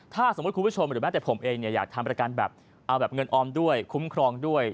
ถ้าสมมุติคุณผู้ชมหรือแม้แต่ผมเองเนี่ยอยากทำประกันแบบเอาแบบเงินออมด้วยคุ้มครองด้วย